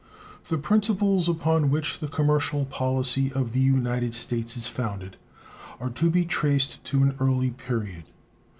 The principles upon which the commercial policy of the United States is founded are to be traced to an early period.